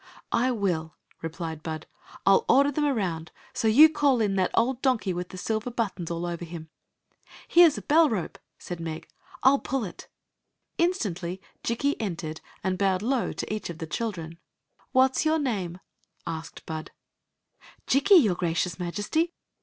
" I will," replied Bud. " I '11 order them around. So you call in that old donkey with the silver buttons all over him." " Here s a bell rope," said Meg; " I 11 pull it" Instantly Jikki entered and bowed low to each of the children. " What *s your name ?" asked Bud ''Jikki, your gracious Majesty."